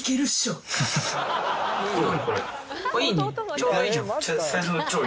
ちょうどいいじゃん。